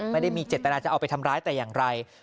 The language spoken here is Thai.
ไม่ได้มีเจตนาจะเอาไปทำร้ายแต่อย่างไร